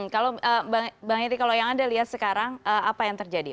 kalau bang eri kalau yang anda lihat sekarang apa yang terjadi